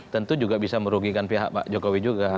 tentu juga bisa merugikan pihak pak jokowi juga